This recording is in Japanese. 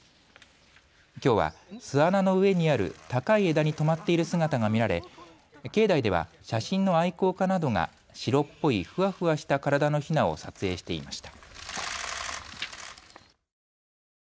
きょうは巣穴の上にある高い枝に止まっている姿が見られ境内では写真の愛好家などが白っぽいふわふわした体のヒナを撮影していました。